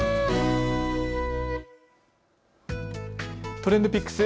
ＴｒｅｎｄＰｉｃｋｓ。